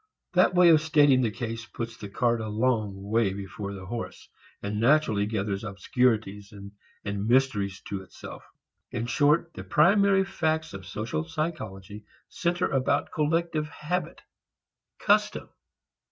That way of stating the case puts the cart a long way before the horse, and naturally gathers obscurities and mysteries to itself. In short, the primary facts of social psychology center about collective habit, custom.